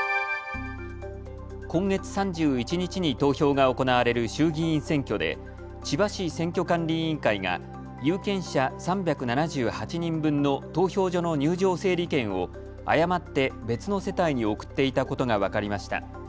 今月３１日に投票が行われる衆議院選挙で千葉市選挙管理委員会が有権者３７８人分の投票所の入場整理券を誤って別の世帯に送っていたことが分かりました。